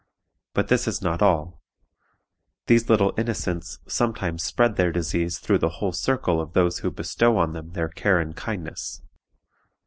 But this is not all. These little innocents sometimes spread their disease through the whole circle of those who bestow on them their care and kindness.